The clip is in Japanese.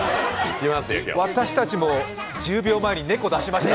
私たちも１０秒前に猫、出しました。